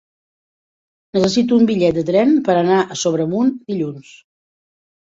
Necessito un bitllet de tren per anar a Sobremunt dilluns.